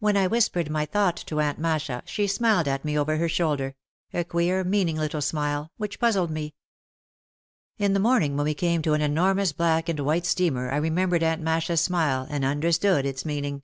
When I whispered my thought to Aunt Masha she smiled at me over her shoulder, a queer, mean ing little smile, which puzzled me. In the morning when we came to an enormous black and white steamer I re membered Aunt Masha's smile and understood its meaning.